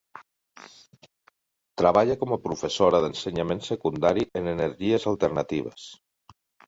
Treballa com a professora d'ensenyament secundari en energies alternatives.